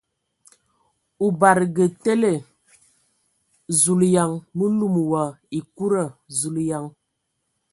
O badǝgǝ tele ! Zulǝyan ! Mǝ lum wa ekuda ! Zuleyan !